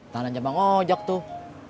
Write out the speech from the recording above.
ta nanja bang ojak tuh